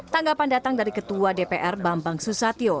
tanggapan datang dari ketua dpr bambang susatyo